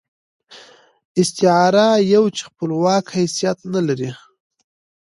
استعاره يو چې خپلواک حيثيت نه لري.